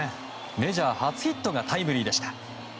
メジャー初ヒットがタイムリーでした。